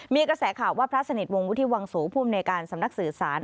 มีกระแสข่าวว่าพระสนิทวงวุฒิวังโสผู้อำนวยการสำนักสื่อสาร